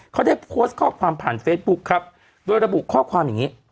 เขาได้โพสต์ข้อความผ่านเฟซบุ๊คครับโดยระบุข้อความอย่างนี้